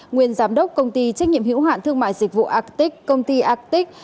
nguyên giám đốc công ty trách nhiệm hiểu hạn thương mại dịch vụ arctic công ty arctic